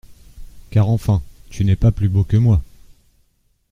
Car enfin tu n’es pas plus beau que moi.